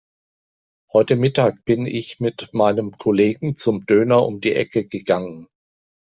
Heute Mittag bin ich mit meinen Kollegen zum Döner um die Ecke gegangen.